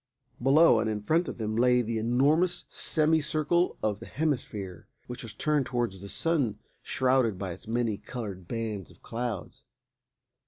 Below and in front of them lay the enormous semicircle of the hemisphere which was turned towards the Sun, shrouded by its many coloured bands of clouds.